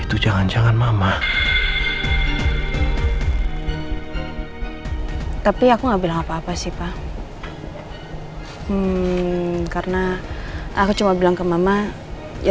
terima kasih mama tapi aku nggak bilang apa apa sih pak karena aku cuma bilang ke mama ya